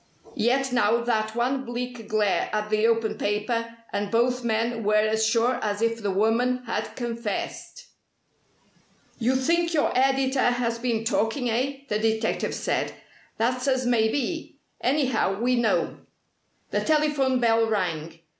Yet now that one bleak glare at the open paper, and both men were as sure as if the woman had confessed. "You think your editor has been talking, eh?" the detective said. "That's as may be. Anyhow, we know." The telephone bell rang.